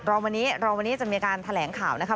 เราวันนี้จะมีการแถลงข่าวนะครับ